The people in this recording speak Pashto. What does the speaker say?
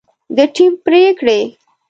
د ټیم پرېکړې